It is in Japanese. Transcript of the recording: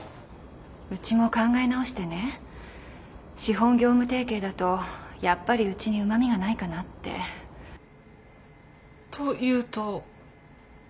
うちも考え直してね資本業務提携だとやっぱりうちにうまみがないかなって。というと？